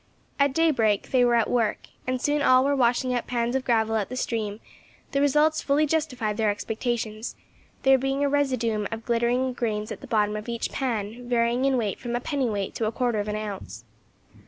At daybreak they were at work, and soon all were washing out pans of gravel at the stream; the results fully justified their expectations, there being a residuum of glittering grains at the bottom of each pan varying in weight from a pennyweight to a quarter of an ounce.